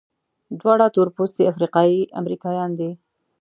دواړه تورپوستي افریقایي امریکایان دي.